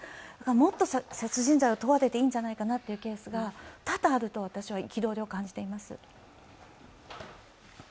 もっと殺人罪に問われていいんじゃないかなというケースが多々あるんじゃないかと私は憤りを感じています。